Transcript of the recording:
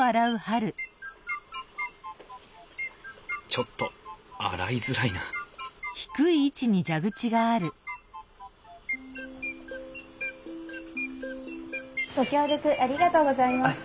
ちょっと洗いづらいなご協力ありがとうございます。